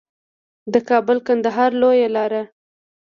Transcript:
د کابل کندهار لویه لار